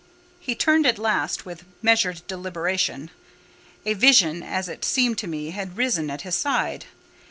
He turned at last, with measured deliberation. A vision, as it seemed to me, had risen at his side.